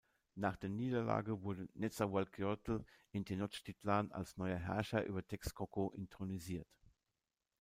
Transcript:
Nach der Niederlage wurde Nezahualcóyotl in Tenochtitlán als neuer Herrscher über Texcoco inthronisiert.